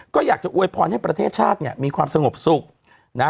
ก็อยากจะอวยพรให้ประเทศชาติเนี่ยมีความสงบสุขนะ